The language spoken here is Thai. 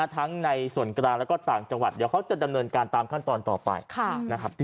ทั้งในส่วนกลางแล้วก็ต่างจังหวัดเดี๋ยวเขาจะดำเนินการตามขั้นตอนต่อไปนะครับ